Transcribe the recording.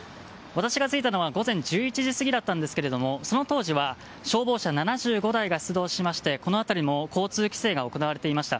私が着いたのは午前１１時過ぎだったんですがその当時は消防車７５台が出動しましてこの辺りも交通規制が行われていました。